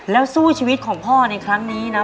แล้วสู้ชีวิตของพ่อในครั้งนี้นะ